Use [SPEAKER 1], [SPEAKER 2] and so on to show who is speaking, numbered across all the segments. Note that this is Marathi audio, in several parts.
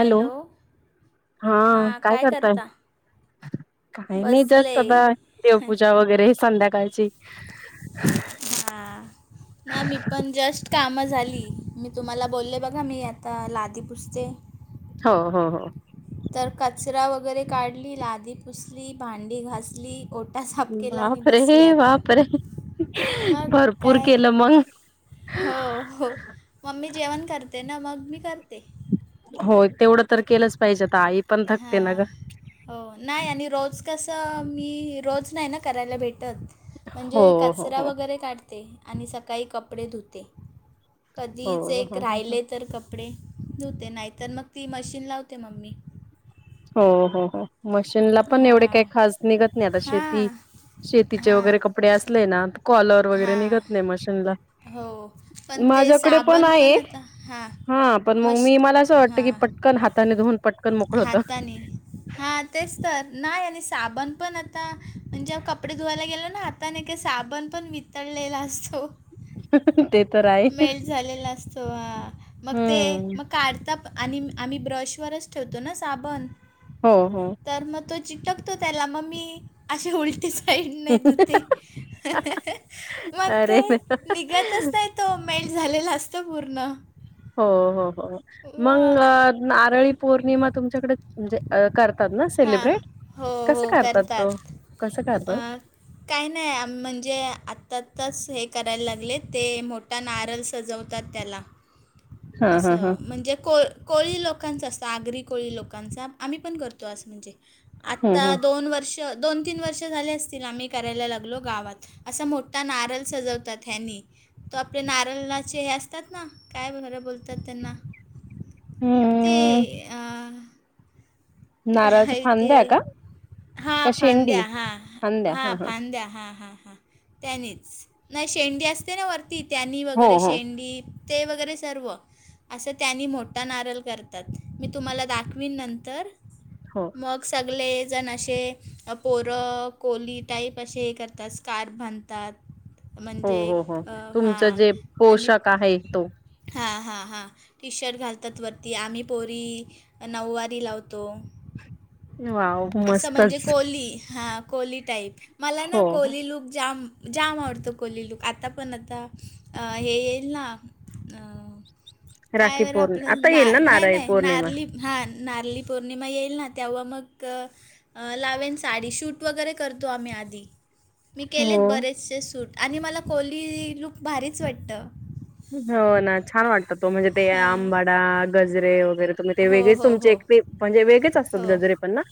[SPEAKER 1] हॅलो?
[SPEAKER 2] हां काय करताय? काय नाही
[SPEAKER 1] बसले
[SPEAKER 2] जास्त आता देवपूजा वगैरे संध्याकाळची. [inaudible]
[SPEAKER 1] हां. नाही मी पण जस्ट कामं झाली. मी तुम्हाला बोलले बघा मी आता लादी पुसते.
[SPEAKER 2] हो हो हो.
[SPEAKER 1] तर कचरा वगैरे काढली, लादी पुसली, भांडी घासली, ओ
[SPEAKER 2] बापरे! बापरे!
[SPEAKER 1] मग
[SPEAKER 2] भरपूर
[SPEAKER 1] काय
[SPEAKER 2] केलं मंग.
[SPEAKER 1] हो हो, मम्मी जेवण करते ना मग मी करते.
[SPEAKER 2] हो तेवढं तर केलंच पाहिजे आता आई पण थकते ना
[SPEAKER 1] हां
[SPEAKER 2] गं?
[SPEAKER 1] तसं मी रोज नाही ना करायला भेटत
[SPEAKER 2] हो
[SPEAKER 1] म्हणजे
[SPEAKER 2] हो
[SPEAKER 1] कचरा
[SPEAKER 2] हो
[SPEAKER 1] वगैरे काढ ते आणि सकाळी कपडे धुते कधीच
[SPEAKER 2] हो
[SPEAKER 1] एक
[SPEAKER 2] हो हो
[SPEAKER 1] राहिले तर कप डे धुते नाहीतर मग ती मशीन लावते मम्मी.
[SPEAKER 2] हो हो हो. मशीनला पण एवढे काही
[SPEAKER 1] हां
[SPEAKER 2] खास निघत नाही आता शेती
[SPEAKER 1] हां
[SPEAKER 2] शेतीचे
[SPEAKER 1] हां
[SPEAKER 2] वगैरे कपडे असले ना, तर कॉलर वगैरे निघत
[SPEAKER 1] हां
[SPEAKER 2] नाही मशीनला.
[SPEAKER 1] हो पण ते साबण पण आता हां.
[SPEAKER 2] हां पण मग
[SPEAKER 1] मश
[SPEAKER 2] मी मला असं वाटतं की
[SPEAKER 1] हां
[SPEAKER 2] पटकन हाताने धुवून पटकन मोकळं होतं.
[SPEAKER 1] हाताने हां तेच तर नाही आणि साबण पण आता म्हणजे कपडे धुवायला गेलो ना हाताने की साबण पण वित तळलेला असतो.
[SPEAKER 2] ते तर आहे.
[SPEAKER 1] मेल्ट झालेला असतो हां मग ते
[SPEAKER 2] हम्म.
[SPEAKER 1] मग [unintelligible] आणि आम्ही ब्रशवरच ठेवतो ना साबण
[SPEAKER 2] हो हो.
[SPEAKER 1] तर मग तो चिटकतो त्याला मग मी अशी उलटीच साईडने धूते मग
[SPEAKER 2] अरे
[SPEAKER 1] काय
[SPEAKER 2] देवा!
[SPEAKER 1] निघतच नाहीत तो मेल्ट झालेला असतो पूर्ण.
[SPEAKER 2] हो हो हो.
[SPEAKER 1] व
[SPEAKER 2] मग नारळी पौर्णिमा तुमच्याकडे म्हणजे करतात ना
[SPEAKER 1] हां
[SPEAKER 2] सेलिब्रेट
[SPEAKER 1] हो
[SPEAKER 2] कसं
[SPEAKER 1] हो
[SPEAKER 2] करतात ओ कसं करतात?
[SPEAKER 1] काही नाही म्हणजे आत्ता आताच हे करायला लागले ते मो ठा नारळ सजवतात त्याला
[SPEAKER 2] हां, हां, हां.
[SPEAKER 1] असं म्हणजे को कोळी लोकांचा असतो. आगरी कोळी लोकांचा आम्ही पण करतो असं म्हणजे.
[SPEAKER 2] हं,
[SPEAKER 1] आता
[SPEAKER 2] हं.
[SPEAKER 1] दोन दोन तीन वर्ष झाले असतील आम्ही करायला लागलो गावात. असा मोठा नारळ सजवतात ह्यांनी. तो आपले नारळाचे हे असतात ना काय ह्याला बोल तात त्यांना ते
[SPEAKER 2] हम्म.
[SPEAKER 1] अ
[SPEAKER 2] नारळाच्या
[SPEAKER 1] काय
[SPEAKER 2] फांद्या
[SPEAKER 1] ते
[SPEAKER 2] का? का
[SPEAKER 1] हां
[SPEAKER 2] शेंडी?
[SPEAKER 1] फांद्या हां, हां फांद्या हां हां हां. त्यानीच नाही शेंडी असते ना वरती त्यानी
[SPEAKER 2] हो,
[SPEAKER 1] वगैरे
[SPEAKER 2] हो.
[SPEAKER 1] शेंडी ते वगैरे सर्व. असं त्यांनी मोठा नारळ करतात, मी तुम्हाला दाखवीन नंतर.
[SPEAKER 2] हो,
[SPEAKER 1] मग सगळे जणं असे, म पोरं कोली टाईप असे हे करतात स्कार्फ बांध तात.
[SPEAKER 2] हो हो हो, तुमचं जे
[SPEAKER 1] आणि
[SPEAKER 2] पोषाक आहे तो.
[SPEAKER 1] हां हां हां, टी शर्ट घालतात वरती, आम्ही पोरी नऊवारी लाव तो,
[SPEAKER 2] वॉव!
[SPEAKER 1] असं म्हणजे
[SPEAKER 2] मस्तच.
[SPEAKER 1] कोली, हां. कोळी टाईप, मला ना
[SPEAKER 2] हो.
[SPEAKER 1] कोली लुक जाम जाम आवडतो कोली लूक, आता पण आता हे येईल ना, अं काय
[SPEAKER 2] राखी
[SPEAKER 1] बरं
[SPEAKER 2] पौर्णि
[SPEAKER 1] आपलं,
[SPEAKER 2] आता येईल ना
[SPEAKER 1] नाही
[SPEAKER 2] नारळी
[SPEAKER 1] नाही
[SPEAKER 2] पौर्णिमा?
[SPEAKER 1] नारली हार नारली पौर्णिमा येईल ना, तेव्हा मग अं लावेन साडी, शूट वगैरे करतो आम्ही आधी. मी केलेत
[SPEAKER 2] हो.
[SPEAKER 1] बरेचसे सूट, आणि मला कोली लूक भारीच वाटतं.
[SPEAKER 2] हो ना छान वाटतं तो,, म्हणजे ते
[SPEAKER 1] हां
[SPEAKER 2] आंबाडा, गजरे वगैरे. तुम्ही ते
[SPEAKER 1] हो
[SPEAKER 2] वेगळेच
[SPEAKER 1] हो
[SPEAKER 2] तुमचे
[SPEAKER 1] हो
[SPEAKER 2] एक ते, म्हणजे वेगळेच असतात
[SPEAKER 1] हो
[SPEAKER 2] गजरे पण ना.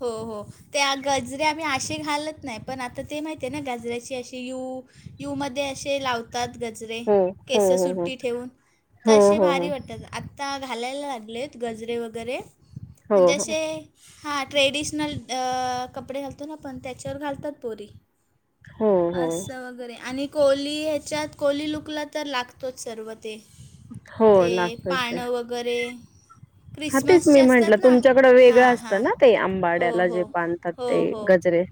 [SPEAKER 1] हो हो, ते गजरे आम्ही असे घालत नाय, पण आता ते माहिती आहे ना गजऱ्याची अशी यु यू मध्ये असे लाव लावतात गजरे,
[SPEAKER 2] हो हो
[SPEAKER 1] केस
[SPEAKER 2] हो
[SPEAKER 1] सुट्टी ठेवून,
[SPEAKER 2] हो हो
[SPEAKER 1] तसेे
[SPEAKER 2] हो
[SPEAKER 1] भारी
[SPEAKER 2] हो.
[SPEAKER 1] वाटतात आ आता घालायला लागलेत गजरे वगैरे,
[SPEAKER 2] हो
[SPEAKER 1] म्हणजे
[SPEAKER 2] हो
[SPEAKER 1] असे हां ट्रेडिशनल अं कपडे घालतो ना आपण, त्याच्यावर घालतात पोरी.
[SPEAKER 2] हो हो
[SPEAKER 1] असं वगैरे, आणि कोली ह्याच्यात, कोली लुकला तर लागतोच सर्व ते.
[SPEAKER 2] हो
[SPEAKER 1] ते
[SPEAKER 2] लागतच ते
[SPEAKER 1] पाणं वगैरे.
[SPEAKER 2] हा तेच
[SPEAKER 1] क्रिसमसचे
[SPEAKER 2] मी म्हंटलं,
[SPEAKER 1] असतात ना
[SPEAKER 2] तुमच्याकडं वेगळं
[SPEAKER 1] हां हां
[SPEAKER 2] असतं ना ते, आंब
[SPEAKER 1] हो
[SPEAKER 2] आंबड्याला जे
[SPEAKER 1] हो
[SPEAKER 2] बांधतात
[SPEAKER 1] हो
[SPEAKER 2] ते
[SPEAKER 1] हो
[SPEAKER 2] गजरे.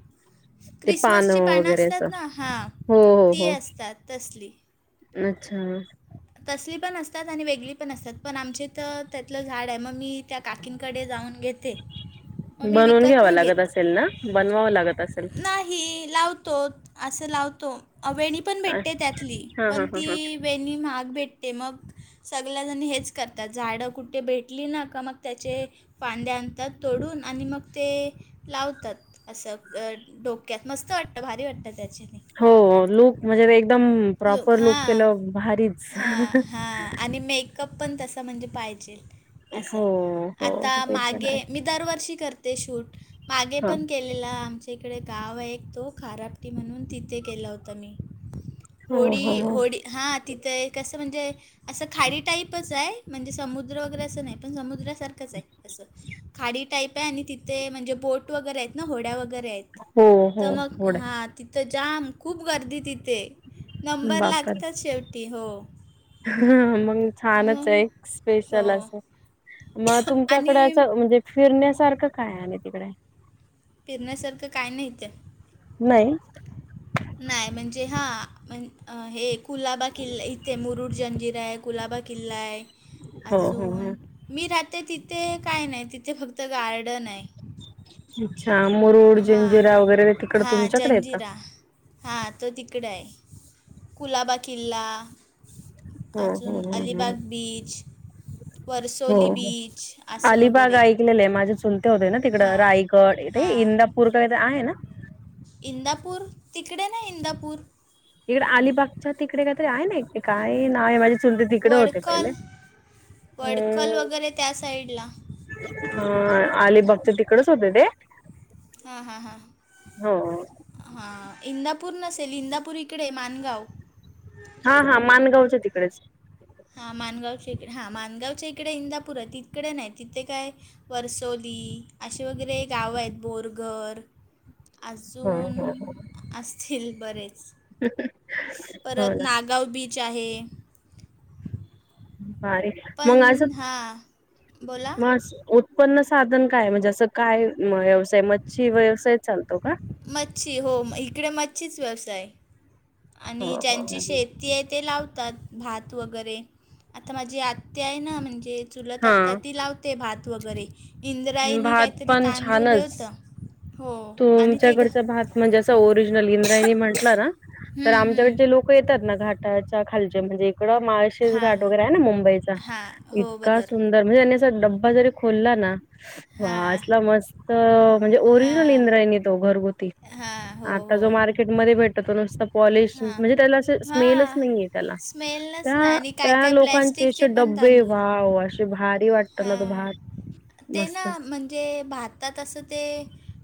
[SPEAKER 2] ते
[SPEAKER 1] क्रिसमसची पानं
[SPEAKER 2] वगैरे असं
[SPEAKER 1] असतात ना, हा
[SPEAKER 2] हो हो
[SPEAKER 1] ती
[SPEAKER 2] हो
[SPEAKER 1] असतात तसली.
[SPEAKER 2] अच्छा.
[SPEAKER 1] तसली पण असतात, आणि वेगळी पण असतात, पण आमच्या इथं त्यातलं झाड आहे, मग मी त्या काकींकडे जाऊन घेते. मग मी
[SPEAKER 2] बनवून
[SPEAKER 1] विकत
[SPEAKER 2] घ्यावा
[SPEAKER 1] नाही
[SPEAKER 2] लागत
[SPEAKER 1] घेत
[SPEAKER 2] असेल ना, बनवावं लागत असेल.
[SPEAKER 1] हि लावतो, असं लावतो, अं वेणी पण
[SPEAKER 2] हा
[SPEAKER 1] भेटते त्यातली,
[SPEAKER 2] हा हा
[SPEAKER 1] पण
[SPEAKER 2] हा
[SPEAKER 1] ती वेणी महाग भेटते, मग सगळ्या जणी हेच करतात, झाडं कुठे भेटली ना का, मग त्याचे फांदे आणतात. तोडून आणि मग ते लावतात, असं डोक्यात मस्त वाटतं भारी वाटतं त्याच्याने.
[SPEAKER 2] हो, लुक म्हणजे एकदम,
[SPEAKER 1] लोक
[SPEAKER 2] प्रॉपर लुक
[SPEAKER 1] हां
[SPEAKER 2] केल्यावर भारीच.
[SPEAKER 1] हां हां आणि मेकअप पण तसं म्हणजे पाहिजेल, असं,
[SPEAKER 2] हो हो
[SPEAKER 1] आता
[SPEAKER 2] ते पण
[SPEAKER 1] मागे
[SPEAKER 2] आहे
[SPEAKER 1] मी दरवर्षी करते शूट, मागे
[SPEAKER 2] ह
[SPEAKER 1] पण केल आपल्याला आमच्या इकडे गाव आहे तो खारबटी म्हणून, तिथे केला होता मी.
[SPEAKER 2] हो हो
[SPEAKER 1] होडी, होडी हा तिथं एक असं म्हणजे, असं खाडी टाईप च हाय, तिथंच हाय म्हणजे समुद्र वगैरे असं नाही, पण समुद्रासारखंच आहे असं. खाडी टाईप आहे आणि तिथे म्हणजे बोट वगैरे आहेत ना, म्हणजे होड्या वगैरे आहेत.
[SPEAKER 2] हो हो हो
[SPEAKER 1] तर मग,
[SPEAKER 2] होड
[SPEAKER 1] हा तिथं जाम खूप गर्दी तिथ ते, नंबर लागतात शेवटी हो,
[SPEAKER 2] हां मग छानच
[SPEAKER 1] मग
[SPEAKER 2] आहे, एक स्पेशल
[SPEAKER 1] हो
[SPEAKER 2] असं. मग तुमच्याकडं
[SPEAKER 1] आणि
[SPEAKER 2] असं म्हणजे फिरण्यासारखं काय आहे तिकडे?
[SPEAKER 1] फिरण्यासारखं काय नाही इथं.
[SPEAKER 2] नाही.
[SPEAKER 1] नाय म्हणजे हां [unintelligible] हे कुलाबा किल्ला इथे मुरुड जंजिर आहे. कुलाबा किल्ला आहे
[SPEAKER 2] हो हो हो
[SPEAKER 1] अजून मी राहते तिथे काय नाही तिथे फक्त गार्डन आहे.
[SPEAKER 2] अच्छा मुरूड
[SPEAKER 1] हां
[SPEAKER 2] जिंजिरा वगैरे तिकडं
[SPEAKER 1] हां
[SPEAKER 2] तुमच्याकडे आहे का?
[SPEAKER 1] जंजिरा हां तो तिकडं आहे कुलाबा किल्ला
[SPEAKER 2] हो
[SPEAKER 1] अजून
[SPEAKER 2] हो हो हो
[SPEAKER 1] अलिबाग बीच.
[SPEAKER 2] हो
[SPEAKER 1] वरसोली
[SPEAKER 2] हो
[SPEAKER 1] बीच असं
[SPEAKER 2] अलिबाग
[SPEAKER 1] वगैरे
[SPEAKER 2] ऐकलेलं आहे माझ्या चू लते होते ना तिकडं
[SPEAKER 1] हां
[SPEAKER 2] रायगड [unintelligible]
[SPEAKER 1] हां
[SPEAKER 2] इंदापूर काय तर आहे ना?
[SPEAKER 1] इंदापूर तिकडे नाही इंदापूर.
[SPEAKER 2] इकडे अलिबागच्या तिकडे काहीतरी आहे ना काय नाव आहे माझे चुलते तिकडं होते पहिले.
[SPEAKER 1] वडखल वगैरे त्या साइडला.
[SPEAKER 2] हां अलीबागच्या तिकडच होते ते.
[SPEAKER 1] हां हां हां.
[SPEAKER 2] हो
[SPEAKER 1] हां इंदापूर नसेल इंदापूर इकडे मानगाव.
[SPEAKER 2] हां हां मानगावच्या तिकडेच.
[SPEAKER 1] हां मानगावच्या इकडे हां मानगावच्या इकडे इंदापूर आहे, तिकडे नाय तिथे काय वर्सोली असे वगैरे गाव आहेत बोरघर.
[SPEAKER 2] हो
[SPEAKER 1] अजून
[SPEAKER 2] हो हो
[SPEAKER 1] असतील बरेच.
[SPEAKER 2] [inaudible]
[SPEAKER 1] परत नागाव बीच आहे.
[SPEAKER 2] भारी. मग असं
[SPEAKER 1] पण हां बोला?
[SPEAKER 2] [unintelligible] उत्पन्न साधन काय? म्हणजे असं काय व्यवसाय मच्छी व्यवसाय चालतो का?
[SPEAKER 1] मच्छी हो इकडे मच्छीच व्यवसाय.
[SPEAKER 2] हो
[SPEAKER 1] आणि
[SPEAKER 2] हो
[SPEAKER 1] ज्यांची
[SPEAKER 2] हो
[SPEAKER 1] शेती आहे ते लावतात. भात वगैरे आता माझी आत्या आहे ना म्हणजे चुलत
[SPEAKER 2] हा
[SPEAKER 1] आत्या ती लावते भात वगैरे इंद्रायनी
[SPEAKER 2] भात
[SPEAKER 1] काहीतरी
[SPEAKER 2] पण
[SPEAKER 1] तांदूल हे
[SPEAKER 2] छानच
[SPEAKER 1] होतं. हो आणि ते घ
[SPEAKER 2] तुमच्याकडचा भात म्हणजे असं ओरिजिनल इंद्रायणी म्हटलं ना तर
[SPEAKER 1] हम्म,
[SPEAKER 2] आमच्याकडचे लोक
[SPEAKER 1] हम्म.
[SPEAKER 2] लोकं येतात ना घाटाच्या खालच्या म्हणजे इकडं [unintelligible] [unintelligible] घाट वगैरे
[SPEAKER 1] हां
[SPEAKER 2] आहे ना मुंबईचा,
[SPEAKER 1] हां हो
[SPEAKER 2] इतका
[SPEAKER 1] बरोबर
[SPEAKER 2] सुंदर म्हणजे यांनी डब्बा जरी खोलला ना वा!
[SPEAKER 1] हां
[SPEAKER 2] असला मस्त म्हणजे ओरिजनल
[SPEAKER 1] हां
[SPEAKER 2] इंद्रायणी तो घरगुती.
[SPEAKER 1] हां हो
[SPEAKER 2] आता
[SPEAKER 1] हो
[SPEAKER 2] जो मार्केटमध्ये भेटतो तो नुसतं पॉलिश
[SPEAKER 1] हां
[SPEAKER 2] म्हणजे त्याला असं स्मेलच
[SPEAKER 1] हां
[SPEAKER 2] नाहीे आहे त्याला
[SPEAKER 1] स्मेलच नाही
[SPEAKER 2] त्या
[SPEAKER 1] आणि काय
[SPEAKER 2] त्या
[SPEAKER 1] काय
[SPEAKER 2] लोकां चे असे
[SPEAKER 1] प्लॅस्टिकचे पण
[SPEAKER 2] डब्बे
[SPEAKER 1] तांदूळ
[SPEAKER 2] वाव असे भारी वाटतो ना तो
[SPEAKER 1] हां
[SPEAKER 2] भात मस्त.
[SPEAKER 1] ना ते भातात असं ते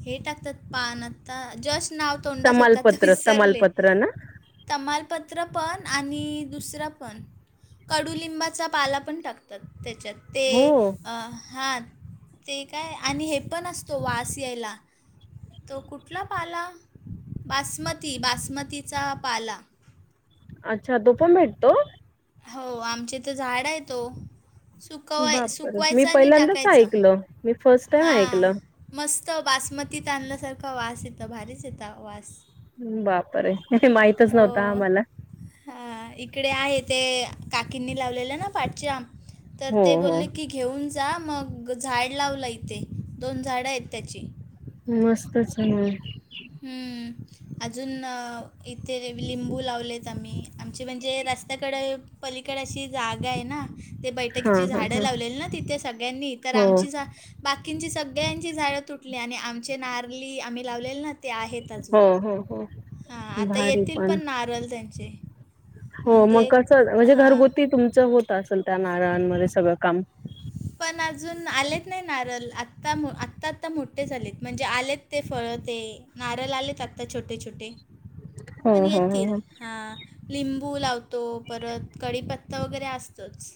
[SPEAKER 1] हे टाकतात पान आता जस्ट नाव तोंडात होतं आता
[SPEAKER 2] तमालपत्र
[SPEAKER 1] विसरले
[SPEAKER 2] तमालपत्र ना?
[SPEAKER 1] तमालपत्र पण आणि दुसरं पण. कडुलिंबाचा पाला पण टाकतात त्याच्यात. ते
[SPEAKER 2] हो
[SPEAKER 1] अ हां ते काय आणि हे पण असतो वास यायला. तो कुठला पाला? बासमती बासमतीचा पाला.
[SPEAKER 2] अच्छा तो पण भेटतो.
[SPEAKER 1] हो आमचे इथं झाड आहे तो. सुकवाय
[SPEAKER 2] बापरं! मी
[SPEAKER 1] सुकवायचा आणि
[SPEAKER 2] पहिल्यांदाच
[SPEAKER 1] टाकायचा
[SPEAKER 2] ऐकलं मी फर्स्ट टाइम
[SPEAKER 1] हां
[SPEAKER 2] ऐकलं.
[SPEAKER 1] मस्त बासमतीत तांदळा सारखा वास येत भारीच येत वास.
[SPEAKER 2] बापरे माहितच नव्हतं आम्हाला.
[SPEAKER 1] हा इकडे आहे ते काकींनी लावलेलं ना पाठच्या तर
[SPEAKER 2] हो
[SPEAKER 1] ते
[SPEAKER 2] हो
[SPEAKER 1] बोलले की. घेऊन जा मग झाड लावलं इथे दोन झाडं आहेत त्याची.
[SPEAKER 2] मस्तच हा मग.
[SPEAKER 1] अजून इथे लिंबू लावलेत आम्ही आमचे म्हणजे रस्त्याकडें. पलीकड अशी जागा आहे ना. ते
[SPEAKER 2] हा
[SPEAKER 1] बैठकीची
[SPEAKER 2] हा
[SPEAKER 1] झाडं
[SPEAKER 2] हा
[SPEAKER 1] लावलेली ना तिथे सगळ्यांनी तर
[SPEAKER 2] हो
[SPEAKER 1] आमची जागा. बाकींची सगळ्यांची झाडं तुटली आणि आमचे नारली आम्ही लावलेले ना. ते आहेत अजून
[SPEAKER 2] हो हो हो
[SPEAKER 1] हां आता येतील पण नारळ त्यांचे.
[SPEAKER 2] हो मग
[SPEAKER 1] म्हणजे
[SPEAKER 2] कसं म्हणजे
[SPEAKER 1] हां
[SPEAKER 2] घरगुती तुमचं होत असेल त्या नारळांमध्ये सगळं काम.
[SPEAKER 1] पण अजून आलेत नाही नारल आता आता आता मोठे झालेत म्हणजे आलेत. ते फळं ते नारळ आले आता छोटे छोटे.
[SPEAKER 2] हो
[SPEAKER 1] पण
[SPEAKER 2] हो
[SPEAKER 1] येतील
[SPEAKER 2] हो.
[SPEAKER 1] हां लिंबू लावतो परत कडीपत्ता वगैरे असतोच.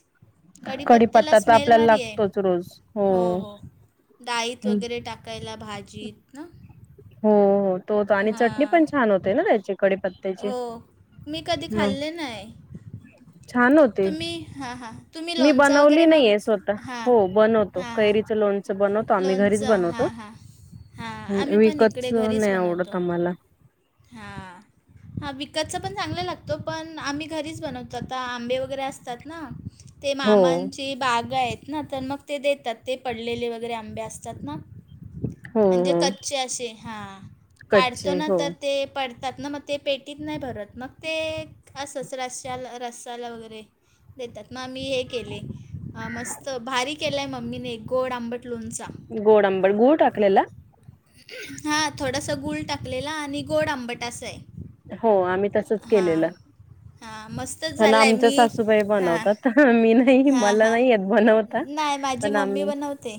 [SPEAKER 1] कढीपत्याला
[SPEAKER 2] कडीपत्ता तर
[SPEAKER 1] स्मेल
[SPEAKER 2] आपल्याला
[SPEAKER 1] भारी आहे
[SPEAKER 2] लागतोच रोज
[SPEAKER 1] हो हो डाळीत
[SPEAKER 2] हो
[SPEAKER 1] वगैरे टाक. टाकायला भाजीत ना.
[SPEAKER 2] हो हो तो आणि चटणी पण
[SPEAKER 1] हां
[SPEAKER 2] छान होते ना त्याचि कडिपत्या. त्याचे
[SPEAKER 1] हो मी कधी
[SPEAKER 2] हम्
[SPEAKER 1] खाल्ले नाही
[SPEAKER 2] छान होत. ते
[SPEAKER 1] तुम्ही हां हां तुम्ही
[SPEAKER 2] मी
[SPEAKER 1] लोणचं
[SPEAKER 2] बनवली
[SPEAKER 1] वगैरे मग
[SPEAKER 2] नाहीये स्वतः
[SPEAKER 1] हां
[SPEAKER 2] हो बनवतो
[SPEAKER 1] हां हां
[SPEAKER 2] कैरीच लोण च बनवतो आम्ही घरीच
[SPEAKER 1] लोणचं
[SPEAKER 2] बनवतो
[SPEAKER 1] हां हां हां आम्ही पण
[SPEAKER 2] विकतच
[SPEAKER 1] इकडे
[SPEAKER 2] नाही आवडत आम्हाला.
[SPEAKER 1] हा हा विकतच पण चांगला लागतो पण आम्ही घरीच बनवतो. तर आता आंबे वगैरे असतात ना ते
[SPEAKER 2] हो
[SPEAKER 1] मामांची बाग आहेत. ना तर मग ते देतात ते पडलेले वगैरे आंबे असतात ना.
[SPEAKER 2] हो
[SPEAKER 1] म्हणजे
[SPEAKER 2] हो
[SPEAKER 1] कच्चे असे हा काढतो
[SPEAKER 2] कच्चे
[SPEAKER 1] ना
[SPEAKER 2] हो
[SPEAKER 1] तर. ते पडतात ना मग ते पेटीत नाही भरत मग ते. असच रशला रसाला वगैरे. देतात मग आमी हे केले मस्त भारीक. केलाय मम्मीने एक गोड आंबट लोणचा.
[SPEAKER 2] गोड अंबड गूळ टाकलेला.
[SPEAKER 1] हा थोडासा गुळ टाकलेला आणि गोड आंबट अस आहे.
[SPEAKER 2] हो आम्ही तसच
[SPEAKER 1] हां.
[SPEAKER 2] केलेलं
[SPEAKER 1] हां मस्तच
[SPEAKER 2] पण
[SPEAKER 1] झाला आहे
[SPEAKER 2] आमच
[SPEAKER 1] मी
[SPEAKER 2] सासूबाई
[SPEAKER 1] हां
[SPEAKER 2] बनवतात. ह मी नाही
[SPEAKER 1] हां
[SPEAKER 2] मला
[SPEAKER 1] हां
[SPEAKER 2] नाही यत बनवता
[SPEAKER 1] नाही माझी
[SPEAKER 2] पण आम
[SPEAKER 1] मम्मी बनवते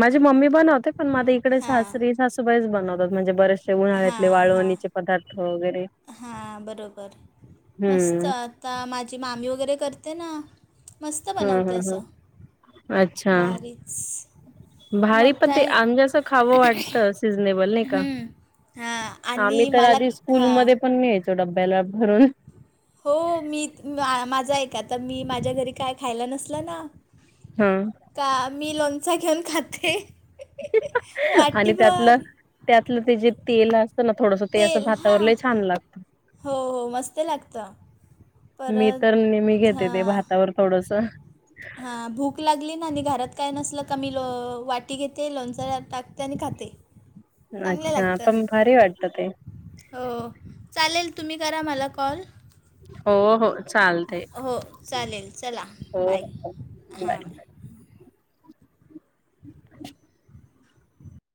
[SPEAKER 2] माझी मम्मी बनवते पण माझ्या इकडे
[SPEAKER 1] हां
[SPEAKER 2] सासरी सासूबाईच बनवतात म्हणजे बरेच. उन्हाळ्यातले वाळणीचे पदार्थ. वगैरे
[SPEAKER 1] हा बरोबर मस्त
[SPEAKER 2] हम्म
[SPEAKER 1] आता. आता माझी मामी वगैरे करते ना मस्त
[SPEAKER 2] हम्
[SPEAKER 1] बनवते
[SPEAKER 2] हम हम
[SPEAKER 1] असं.
[SPEAKER 2] अच्छा
[SPEAKER 1] भारीच.
[SPEAKER 2] भारी
[SPEAKER 1] मग
[SPEAKER 2] पण ते
[SPEAKER 1] काय
[SPEAKER 2] आंब्याचा खावं वाटतं सिझनेबल नाही का.
[SPEAKER 1] हां
[SPEAKER 2] आम्ही
[SPEAKER 1] आणि
[SPEAKER 2] तर
[SPEAKER 1] मला
[SPEAKER 2] आधी स्कूल
[SPEAKER 1] हां
[SPEAKER 2] मध्ये पण न्यायचो डबब्याला भरून.
[SPEAKER 1] हो मी माझ एका आता मी माझ्या घरी काय खायला नसल ना.
[SPEAKER 2] हा.
[SPEAKER 1] का मीलोणचा घेऊन खाते.
[SPEAKER 2] आणि त्यातलं
[SPEAKER 1] वाटीभर
[SPEAKER 2] त्यातलं ते जे तेल. ना थोडस ते असं
[SPEAKER 1] तेल हां
[SPEAKER 2] भातावरलय छान लागत.
[SPEAKER 1] हो हो मस्त लागतं
[SPEAKER 2] मी तर नेहमी
[SPEAKER 1] परत
[SPEAKER 2] घेते ते भातावर थोडस
[SPEAKER 1] हा भूक लागली ना आणि घरात काय नसल का मी लो वाटी घेते लोणच टाकते आणि खाते [inaudible]
[SPEAKER 2] अच्छा
[SPEAKER 1] लागतं
[SPEAKER 2] पण भारी वाटत ते
[SPEAKER 1] हो चालेल तुम्ही करा मला कॉल
[SPEAKER 2] हो हो चालतय
[SPEAKER 1] हो चालेल चला बाय हां